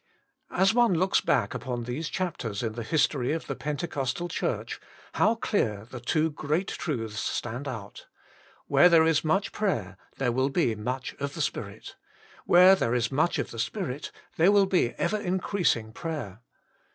As one looks back upon these chapters in the history of the Pentecostal Church, how clear the two great truths stand out : where there is much prayer there will be much of the Spirit ; where there is much of the Spirit there will be ever increasing prayer.